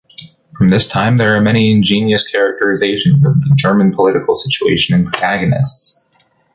From this time there are many ingenious characterizations of the German political situation and protagonists.